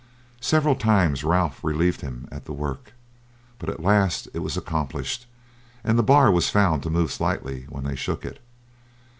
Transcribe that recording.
Several times Ralph relieved him at the work, but at last it was accomplished, and the bar was found to move slightly when they shook it.